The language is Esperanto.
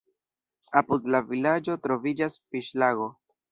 Apud la vilaĝo troviĝas fiŝlago.